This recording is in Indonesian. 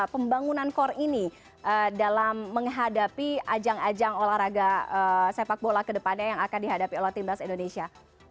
pembangunan core ini dalam menghadapi ajang ajang olahraga sepak bola kedepannya yang akan dihadapi oleh timnas indonesia